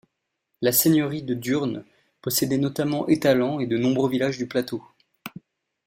La seigneurie de Durnes possédait notamment Etalans et de nombreux villages du plateau.